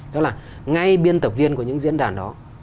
đó là ngay biên tập viên của những diễn đàn đó